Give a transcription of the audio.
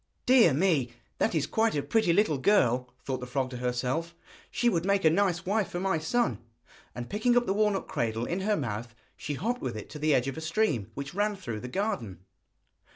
'Dear me! that is quite a pretty little girl,' thought the frog to herself; 'she would make a nice wife for my son.' And picking up the walnut cradle in her mouth, she hopped with it to the edge of a stream which ran through the garden.